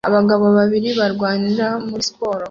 Abagabo babiri barwanira muri siporo